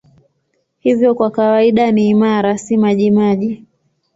Hivyo kwa kawaida ni imara, si majimaji.